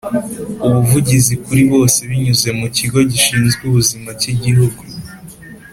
ubuvuzi kuri bose binyuze mu kigo gishinzwe ubuzima cy’Igihugu